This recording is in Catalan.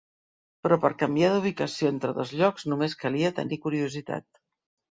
Però per canviar d'ubicació entre dos llocs només calia tenir curiositat.